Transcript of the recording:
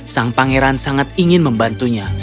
sang pangeran sangat ingin membantunya